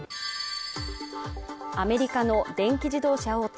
アメリカの電気自動車大手